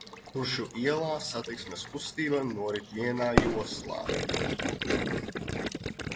Kuršu ielā satiksmes kustība norit vienā joslā.